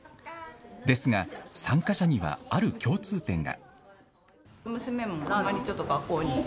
ですが、参加者にはある共通点が。